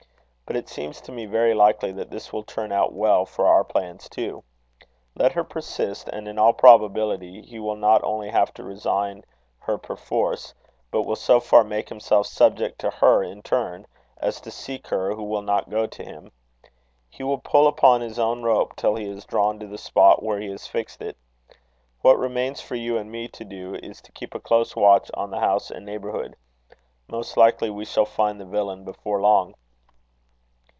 But it seems to me very likely that this will turn out well for our plans, too. Let her persist, and in all probability he will not only have to resign her perforce, but will so far make himself subject to her in turn, as to seek her who will not go to him. He will pull upon his own rope till he is drawn to the spot where he has fixed it. What remains for you and me to do, is to keep a close watch on the house and neighbourhood. Most likely we shall find the villain before long."